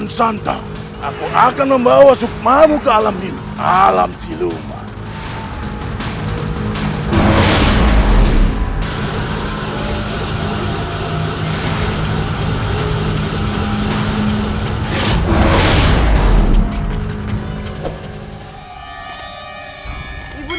kian santap aku akan membawa supmamu ke alam ini alam siluman